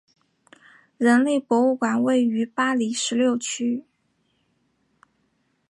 人类博物馆位于巴黎十六区。